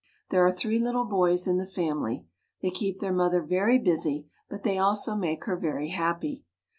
There are three little boys in the family. They keep their mother very busy ; but they also make her very happy.